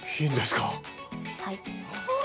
はい。